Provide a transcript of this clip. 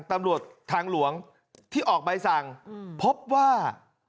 ตำรวจทางหลวงที่ออกใบสั่งพบว่า